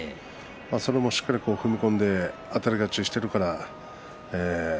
しっかり踏み込んであたり勝ちしているからですね。